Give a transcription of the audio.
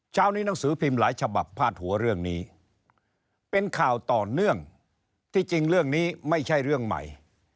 เช้านี้หนังสือพิมพ์หลายฉบับพาดหัวเรื่องนี้เป็นข่าวต่อเนื่องที่จริงเรื่องนี้ไม่ใช่เรื่องใหม่